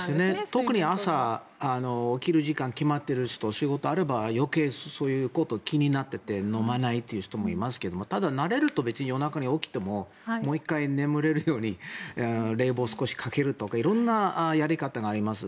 特に朝、起きる時間が決まっている人仕事があれば余計にそういうことが気になっていて飲まないという人もいますけどただ、慣れると別に夜中に起きてももう１回眠れるように冷房を少しかけるとか色んなやり方があります。